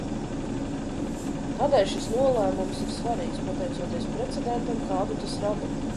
Tādēļ šis nolēmums ir svarīgs, pateicoties precedentam, kādu tas rada.